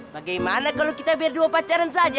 bagaimana kalau kita berdua pacaran saja